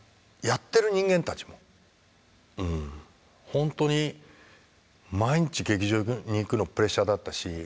本当に毎日劇場に行くのプレッシャーだったし。